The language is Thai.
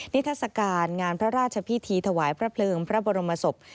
ทัศกาลงานพระราชพิธีถวายพระเพลิงพระบรมศพ